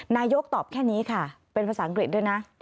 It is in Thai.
นายกตอบแค่นี้ค่ะเป็นภาษาอังกฤษด้วยนะ